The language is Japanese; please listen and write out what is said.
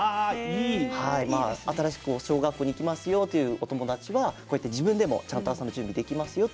新しく小学校に行きますよというお友達はこうやって、自分でも朝の準備ができます